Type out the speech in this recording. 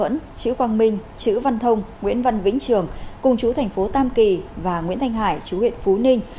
mâu thuẫn chữ quang minh chữ văn thông nguyễn văn vĩnh trường cùng chú thành phố tam kỳ và nguyễn thanh hải chú huyện phú ninh